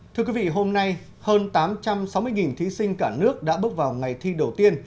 thưa quý vị hôm nay hơn tám trăm sáu mươi thí sinh cả nước đã bước vào ngày thi đầu tiên